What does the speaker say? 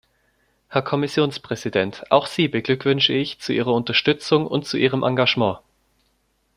Herr Kommissionspräsident, auch Sie beglückwünsche ich zu Ihrer Unterstützung und zu Ihrem Engagement.